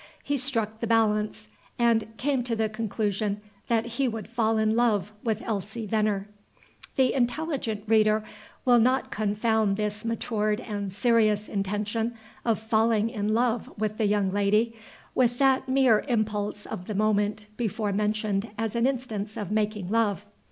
He struck the balance, and came to the conclusion that he would fall in love with Elsie Venner. The intelligent reader will not confound this matured and serious intention of falling in love with the young lady with that mere impulse of the moment before mentioned as an instance of making love.